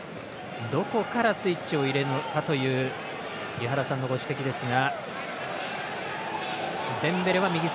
どこからスイッチを入れるのかという井原さんのご指摘ですが。